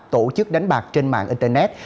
tổ chức đánh bạc trên mạng internet